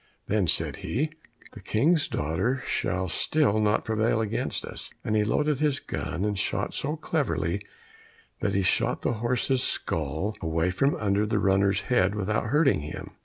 Then said he, "The King's daughter shall still not prevail against us;" and he loaded his gun, and shot so cleverly, that he shot the horse's skull away from under the runner's head without hurting him.